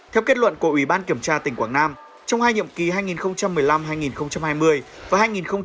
theo kết luận của ủy ban kiểm tra tỉnh quảng nam trong hai nhiệm kỳ hai nghìn một mươi năm hai nghìn hai mươi và hai nghìn hai mươi hai nghìn hai mươi năm